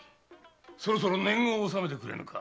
そろそろ年貢を納めてくれぬか。